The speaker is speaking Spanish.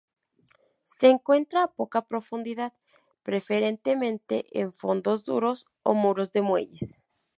Se encuentra a poca profundidad, preferentemente en fondos duros o muros de muelles.